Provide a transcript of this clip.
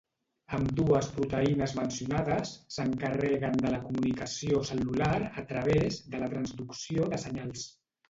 Ambdues proteïnes mencionades s'encarreguen de la comunicació cel·lular a través de la transducció de senyals.